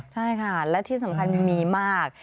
ใช่ค่ะและที่สำคัญมีมาก